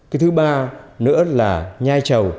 cái thứ ba nữa là nhai trầu